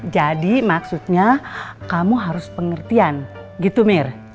jadi maksudnya kamu harus pengertian gitu mir